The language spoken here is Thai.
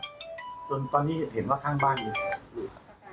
จนตอนนี้เห็นว่าข้างบ้านยังอยู่